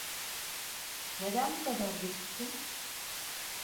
Neden bu kadar geciktin?